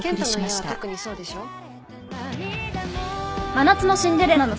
［『真夏のシンデレラ』の］